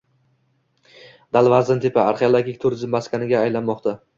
Dalvarzintepa – arxeologik turizm maskaniga aylanmoqda